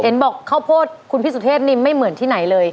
บอกข้าวโพดคุณพี่สุเทพนี่ไม่เหมือนที่ไหนเลย